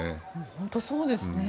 本当にそうですね。